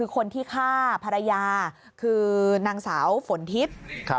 คนที่ฆ่าภรรยาคือนางสาวฝนทิพย์